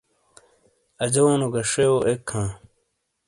اجونو گہ شیوؤ ایک ہاں۔